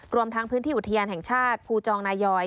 รวมทั้งพื้นที่อุทยานแห่งชาติภูจองนายอย